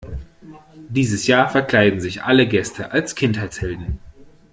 Dieses Jahr verkleiden sich alle Gäste als Kindheitshelden.